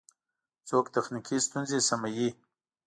څوک تخنیکی ستونزی سموي؟